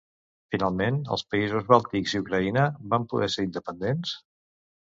Finalment els països bàltics i Ucraïna van poder ser independents?